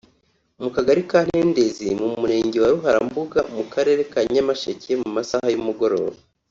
mu Kagari ka Ntendezi mu Murenge wa Ruharambuga mu Karere ka Nyamasheke mu masaha y’umugoroba